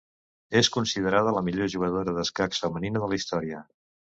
És considerada la millor jugadora d'escacs femenina de la història.